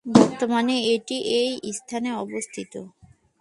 বর্তমানে এটি এ স্থানেই অবস্থিত।